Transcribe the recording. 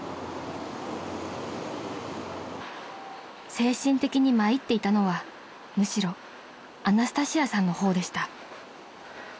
［精神的に参っていたのはむしろアナスタシアさんの方でした］